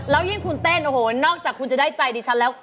แล้วยิ่งคุณเต้นโอ้โหนอกจากคุณจะได้ใจดิฉันแล้ว